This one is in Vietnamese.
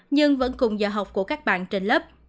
nhưng vẫn cùng giờ học của các bạn trên lớp